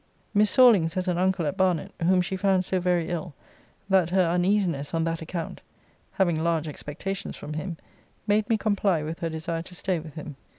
Miss Sorlings has an uncle at Barnet, whom she found so very ill, that her uneasiness, on that account, (having large expectations from him,) made me comply with her desire to stay with him.